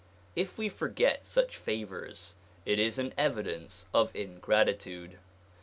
If we forget such favors it is an evidence of ingratitude.